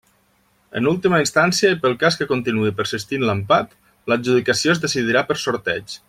En última instància i pel cas que continuï persistint l'empat, l'adjudicació es decidirà per sorteig.